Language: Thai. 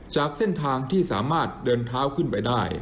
จากเส้นทางที่สามารถเดินเท้าขึ้นไปได้